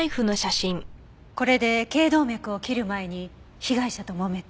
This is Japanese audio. これで頸動脈を切る前に被害者ともめて。